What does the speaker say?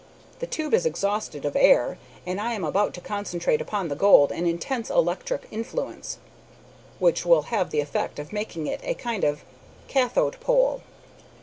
The tube is exhausted of air, and I am about to concentrate upon the gold an intense electric influence, which will have the effect of making it a kind of kathode pole.